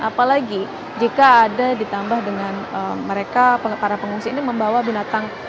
apalagi jika ada ditambah dengan mereka para pengungsi ini membawa binatang